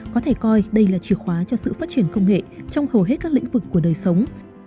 có thể coi đây là chìa khóa cho sự phát triển công nghệ trong hầu hết các lĩnh vực của đời sống